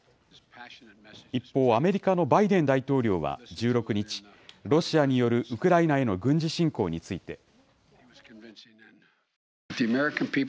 一方、アメリカのバイデン大統領は１６日、ロシアによるウクライナへの軍事侵攻について。